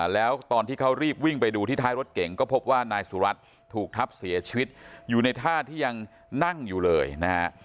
แล้วตอนที่เขารีบวิ่งไปดูที่ท้ายรถเก่งก็พบว่านายสุรัตน์ถูกทับเสียชีวิตอยู่ในท่าที่ยังนั่งอยู่เลยนะฮะ